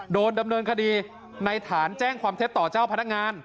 โดนดำเนินคดีในฐานแจ้งความเท็จต่อเจ้าพนักงาน